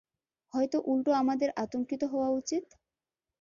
হয়তো উল্টো আমাদের আতংকিত হওয়া উচিৎ!